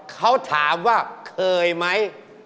เขาถามว่าเคยไหม